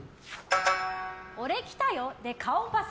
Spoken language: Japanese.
俺、来たよで顔パス！